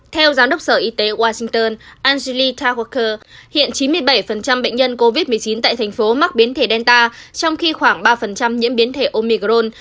theo giám đốc sở y tế washington algeri tawaker hiện chín mươi bảy bệnh nhân covid một mươi chín tại thành phố mắc biến thể delta trong khi khoảng ba nhiễm biến thể omicron